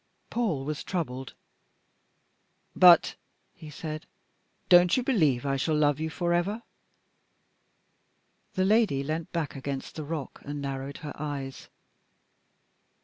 Paul was troubled. "But, but," he said, "don't you believe I shall love you for ever?" The lady leant back against the rock and narrowed her eyes.